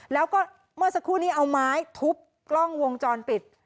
แล้วก็เมื่อสักครู่นี้เอาไม้ทุบกล้องวงจรปิด